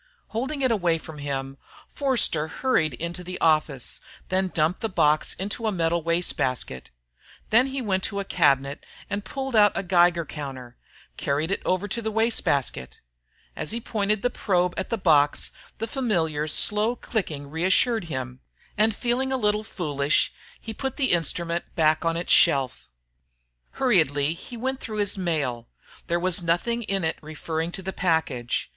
Holding it away from him, Forster hurried into the office, then dumped the box into a metal wastebasket. Then he went to a cabinet and pulled out a Geiger counter, carried it over to the wastebasket. As he pointed the probe at the box the familiar slow clicking reassured him, and feeling a little foolish he put the instrument back on its shelf. [Illustration: In his pressurized chamber, Forster read the startling message.] Hurriedly, he went through his mail; there was nothing in it referring to the package.